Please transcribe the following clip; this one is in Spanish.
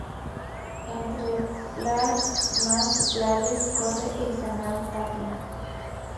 Entre las más grades corre el canal Tapia.